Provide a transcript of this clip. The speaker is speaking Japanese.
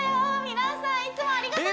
皆さんいつもありがとね！